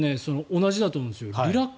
同じだと思うんだよね